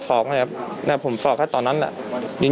ต่อยอีกต่อยอีกต่อยอีกต่อยอีกต่อยอีก